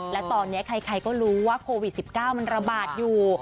แล้วตอนนี้ใครก็รู้ว่าโควิด๑๙มันระบาดอยู่